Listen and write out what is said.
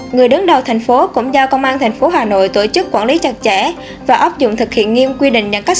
người đứng đầu tp cũng giao công an tp hà nội tổ chức quản lý chặt chẽ và ấp dụng thực hiện nghiêm quy định giãn cách